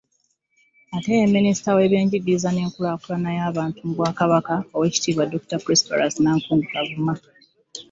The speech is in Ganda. Ate ye Minisita w'ebyenjigiriza n'enkulaakulana y'abantu mu Bwakabaka, Oweekitiibwa Dokita Prosperus Nankundu Kavuma